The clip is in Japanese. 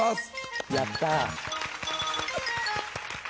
やった。